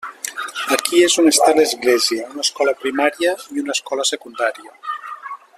Aquí és on està l'església, una escola primària i una escola secundària.